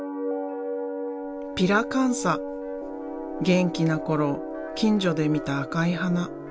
元気な頃近所で見た赤い花。